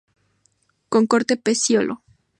Con corto pecíolo.